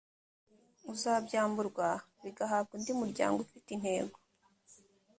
uzabyamburwa bigahabwa undi muryango ufite intego